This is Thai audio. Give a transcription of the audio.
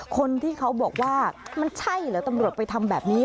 คนที่เขาบอกว่ามันใช่เหรอตำรวจไปทำแบบนี้